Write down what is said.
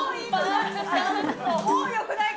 もうよくないか。